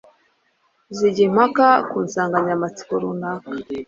zijya impaka ku nsangayamatsiko runaka.